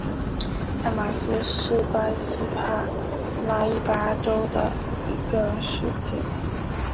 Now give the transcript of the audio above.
埃马斯是巴西帕拉伊巴州的一个市镇。